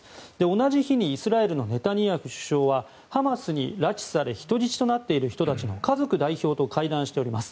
同じ日にイスラエルのネタニヤフ首相はハマスに拉致され人質となっている人たちの家族代表と会談しております。